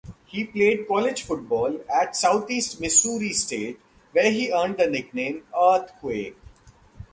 He played college football at Southeast Missouri State where he earned the nickname "Earthquake".